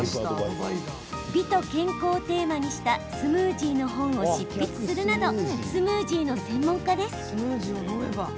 美と健康をテーマにしたスムージーの本を執筆するなどスムージーの専門家です。